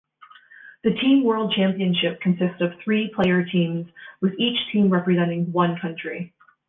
The Team World Championship consists of three-player teams, with each team representing one country.